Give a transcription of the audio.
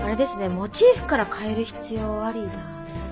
モチーフから変える必要ありだな。